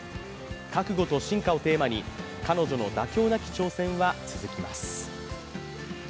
覚悟と進化をテーマに、彼女の妥協なき挑戦は続きます。